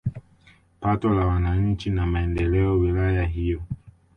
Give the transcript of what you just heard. Pato la wananchi na maendeleo wilaya hiyo